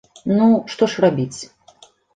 Ну, што ж рабіць?